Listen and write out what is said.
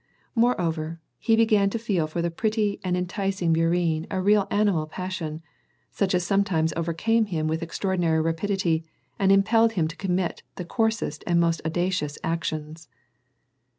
Moreover, he began to feel for the pretty and enti cing Bourienne a real animal passion, such as sometimes over came him with extraordinary rapidity, and impelled him to commit the coarsest and most audacious actions.